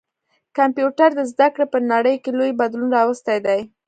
کمپيوټر د زده کړي په نړۍ کي لوی بدلون راوستلی دی.